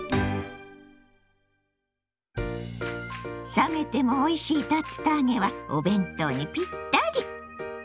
冷めてもおいしい竜田揚げはお弁当にピッタリ。